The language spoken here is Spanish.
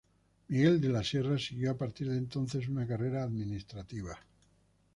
Miguel de la Sierra siguió a partir de entonces una carrera administrativa.